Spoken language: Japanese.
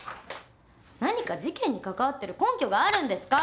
何か事件に関わってる根拠があるんですか？